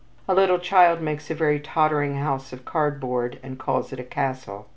A little child makes a very tottering house of cardboard and calls it a castle.